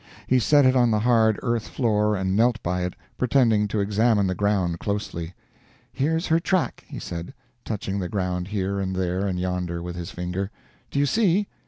He set it on the hard earth floor and knelt by it, pretending to examine the ground closely. "Here's her track," he said, touching the ground here and there and yonder with his finger. "Do you see?"